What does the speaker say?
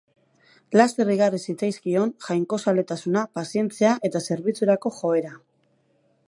Laster igarri zitzaizkion jainkozaletasuna, pazientzia eta zerbitzurako joera.